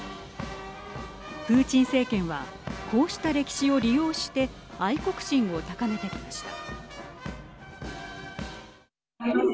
プーチン政権はこうした歴史を利用して愛国心を高めてきました。